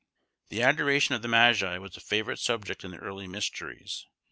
The adoration of the Magi was a favourite subject in the early mysteries.